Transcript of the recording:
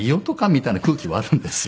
みたいな空気はあるんですよ